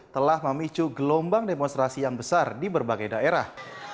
telah memicu gelombang demonstrasi yang besar di berbagai daerah